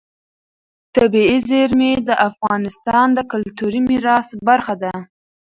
طبیعي زیرمې د افغانستان د کلتوري میراث برخه ده.